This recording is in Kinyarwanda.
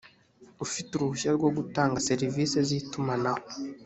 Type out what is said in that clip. ufite uruhushya rwo gutanga serivisi z itumanaho